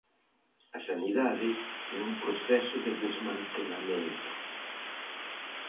A sanidade, nun proceso de desmantelamento.